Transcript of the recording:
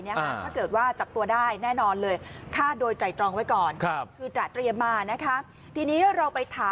ถ้าเกิดว่าจับตัวได้แน่นอนเลยค่าโดยตรายตรองไว้ก่อนจากเตรียมมานะคะ